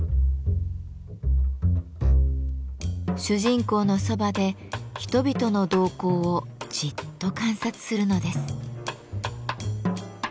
主人公のそばで人々の動向をじっと観察するのです。